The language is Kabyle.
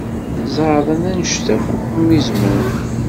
Zeɛḍen anect akk umi zemren.